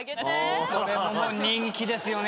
これも人気ですよね